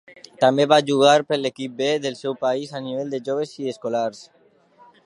També va jugar per l'equip "B" del seu país, a nivell de joves i d'escolars.